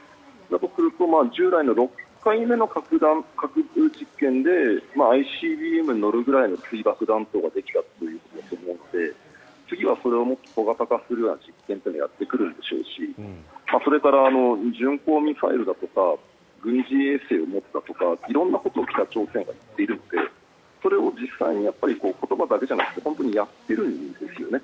となると従来の６回目の核実験でＩＣＢＭに載るぐらいの水爆弾頭ができたと次はそれをもっと小型化するような実験をやってくるでしょうしそれから巡航ミサイルだとか軍事衛星を持ったとか色んなことを北朝鮮が言っているのでそれを実際に言葉だけじゃなくて本当にやっているんですよね